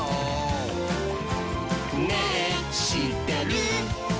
「ねぇしってる？」